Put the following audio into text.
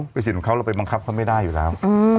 เป็นสิทธิ์ของเขาเราไปบังคับเขาไม่ได้อยู่แล้ว